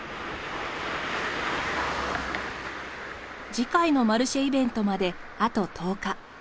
次回のマルシェイベントまであと１０日。